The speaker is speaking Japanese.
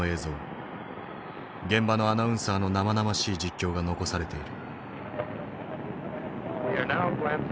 現場のアナウンサーの生々しい実況が残されている。